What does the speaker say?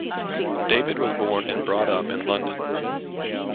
David was born and brought up in London.